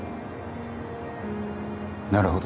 なるほど。